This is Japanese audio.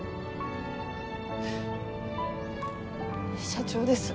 社長です。